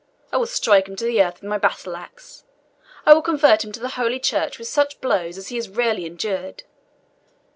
I will strike him to the earth with my battle axe I will convert him to Holy Church with such blows as he has rarely endured.